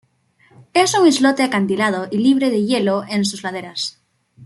Es un islote acantilado y libre de hielo en sus laderas.